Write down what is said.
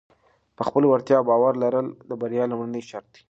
په خپلو وړتیاو باور لرل د بریا لومړنی شرط دی.